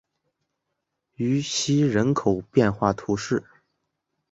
于西人口变化图示